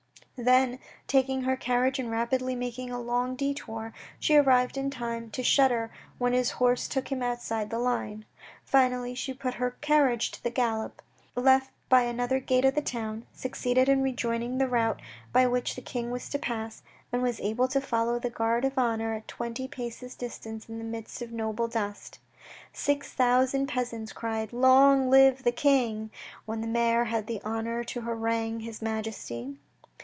Then taking her carriage and rapidly making a long dtour, she arrived in time to shudder when his horse took him out side the line. Finally she put her carriage to the gallop, left by another gate of the town, succeeded in rejoining the route by which the King was to pass, and was able to follow the Guard of Honour at twenty paces distance in the midst of a noble dust. Six thousand peasants cried " Long live the King," when the mayor had the honour to harangue his Majesty.